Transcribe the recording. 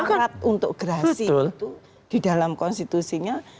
kan syarat untuk gerasi itu di dalam konstitusinya